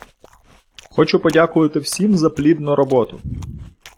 Хочу подякувати всім за плідну роботу!